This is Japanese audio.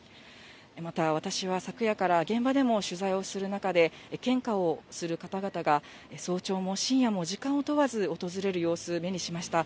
また、私は昨夜から現場でも取材をする中で、献花をする方々が、早朝も深夜も、時間を問わず訪れる様子、目にしました。